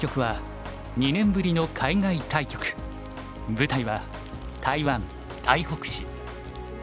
舞台は台湾・台北市。